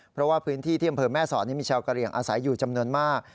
เพราะว่าพื้นที่ที่อำเภอแม่สอดมีชาวกะเหลี่ยงอาศัยอยู่จำนวนมาก